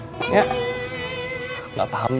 jadi harus dikembalikan ke track awalnya kum